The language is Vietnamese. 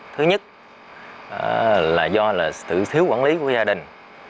thứ nhất là do sự thiếu quản lý của gia đình